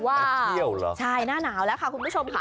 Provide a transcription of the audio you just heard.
เที่ยวเหรอใช่หน้าหนาวแล้วค่ะคุณผู้ชมค่ะ